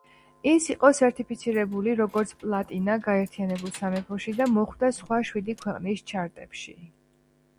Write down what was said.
ის იყო სერტიფიცირებული როგორც პლატინა გაერთიანებულ სამეფოში და მოხვდა სხვა შვიდი ქვეყნის ჩარტებში.